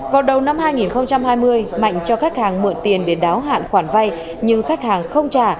vào đầu năm hai nghìn hai mươi mạnh cho khách hàng mượn tiền để đáo hạn khoản vay nhưng khách hàng không trả